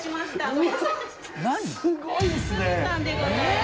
すごいですね！